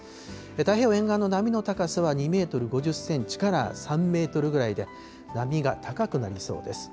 太平洋沿岸の波の高さは２メートル５０センチから３メートルぐらいで、波が高くなりそうです。